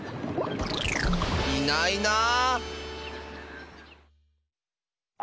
いないなあ。